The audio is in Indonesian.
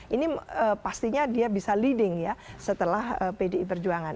ini pastinya dia bisa leading ya setelah pdi perjuangan